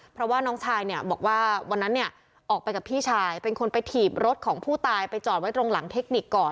เพราะว่าน้องชายเนี่ยบอกว่าวันนั้นเนี่ยออกไปกับพี่ชายเป็นคนไปถีบรถของผู้ตายไปจอดไว้ตรงหลังเทคนิคก่อน